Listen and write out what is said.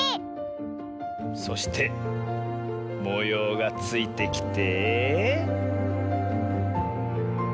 そしてもようがついてきて。